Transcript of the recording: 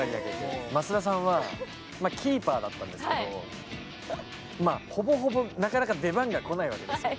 増田さんはキーパーだったんですけど、ほぼほぼ、なかなか出番が来ないわけですよ。